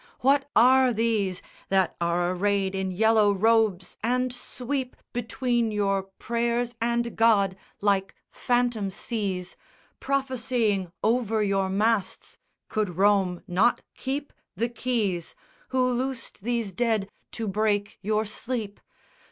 what are these That are arrayed in yellow robes and sweep Between your prayers and God like phantom seas Prophesying over your masts? Could Rome not keep The keys? Who loosed these dead to break your sleep?